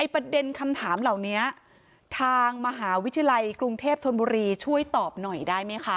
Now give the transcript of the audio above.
ประเด็นคำถามเหล่านี้ทางมหาวิทยาลัยกรุงเทพธนบุรีช่วยตอบหน่อยได้ไหมคะ